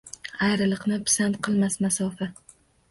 Ayriliqni pisand qilmas masofa.